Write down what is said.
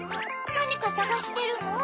なにかさがしてるの？